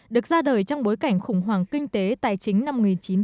được ra đời trong bối cảnh khủng hoảng kinh tế tài chính năm một nghìn chín trăm bảy mươi